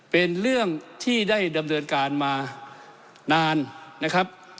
เป็นเรื่องที่ได้ดำเนินการมานานนะครับ